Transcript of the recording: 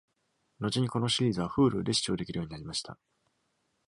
後にこのシリーズはフールーで視聴できるようになりました。